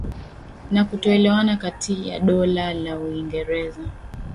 na kutoelewana kati ya Dola la Uingereza